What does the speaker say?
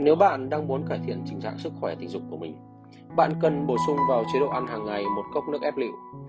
nếu bạn đang muốn cải thiện tình trạng sức khỏe tình dục của mình bạn cần bổ sung vào chế độ ăn hàng ngày một cốc nước ép lự